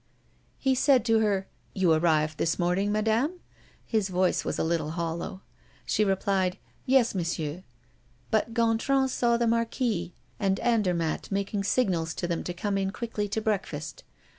He said to her: "You arrived this morning, Madame?" His voice was a little hollow. She replied: "Yes, Monsieur." But Gontran saw the Marquis and Andermatt making signals to them to come in quickly to breakfast.